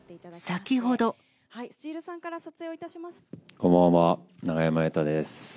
こんばんは、永山瑛太です。